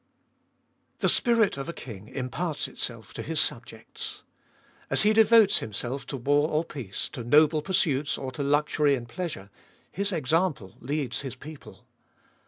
1. The spirit of a king imparts itself to his subjects. As he devotes himself to war or peace, to noble pursuits or to luxury and pleasure, his example leads his people.